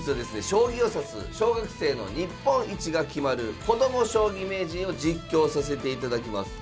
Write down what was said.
将棋を指す小学生の日本一が決まる「こども将棋名人」を実況させていただきます。